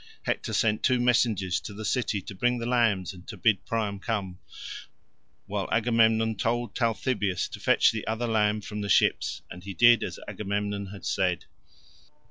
Hector sent two messengers to the city to bring the lambs and to bid Priam come, while Agamemnon told Talthybius to fetch the other lamb from the ships, and he did as Agamemnon had said.